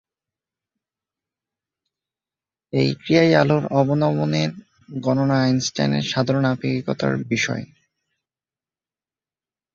এই ক্রিয়ায় আলোর অবনমনের গণনা আইনস্টাইনের সাধারণ আপেক্ষিকতার অন্যতম বিষয়।